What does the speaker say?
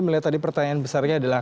melihat tadi pertanyaan besarnya adalah